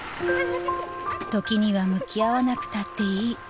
［時には向き合わなくたっていい］